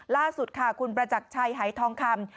ล่าสุดค่ะคุณประจักรชัยหายทองคำ